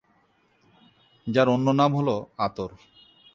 যার অন্য নাম হল আতর।